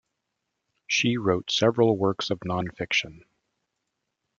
She wrote several works of non-fiction.